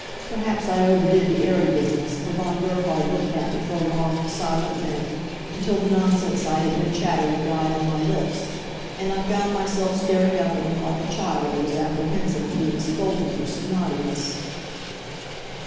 Perhaps I overdid the airy business, for Von Gerhard looked at me for a long, silent minute, until the nonsense I had been chattering died on my lips, and I found myself staring up at him like a child that is apprehensive of being scolded for some naughtiness.